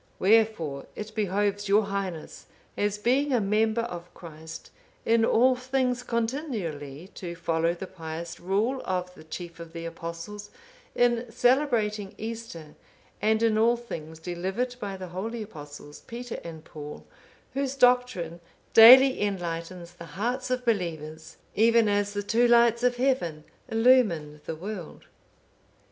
Wherefore it behoves your Highness, as being a member of Christ, in all things continually to follow the pious rule of the chief of the Apostles, in celebrating Easter, and in all things delivered by the holy Apostles, Peter and Paul, whose doctrine daily enlightens the hearts of believers, even as the two lights of heaven illumine the world."